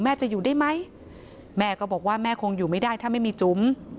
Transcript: จะอยู่ได้ไหมแม่ก็บอกว่าแม่คงอยู่ไม่ได้ถ้าไม่มีจุ๋ม